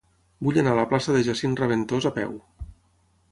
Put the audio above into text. Vull anar a la plaça de Jacint Reventós a peu.